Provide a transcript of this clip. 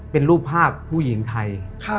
เป็นรูปภาพผู้หญิงไทย